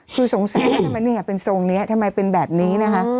คือสงสัยว่าทำไมเนี่ยเป็นทรงนี้ทำไมเป็นแบบนี้นะคะ